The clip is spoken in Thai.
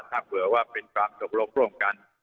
ถ้าเผื่อว่าเป็นความตกลงร่วมกัน